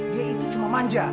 dia itu cuma manja